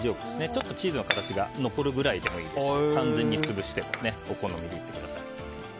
ちょっとチーズの形が残るぐらいでもいいですし完全に潰してもお好みで。